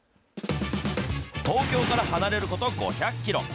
東京から離れること５００キロ。